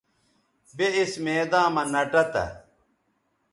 بے اِس میداں مہ نہ ٹہ تھا